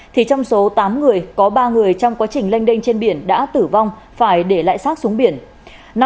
thì trong số tám người có ba người trong quá trình lênh đênh trên biển đã tử vong phải để lại sát xuống biển